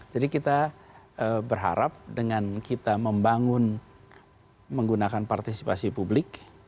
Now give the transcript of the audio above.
jadi kita berharap dengan kita membangun menggunakan partisipasi publik